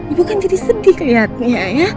ibu kan jadi sedih lihatnya ya